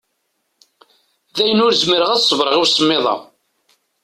Dayen ur zmireɣ ad ṣebreɣ i usemmiḍ-a.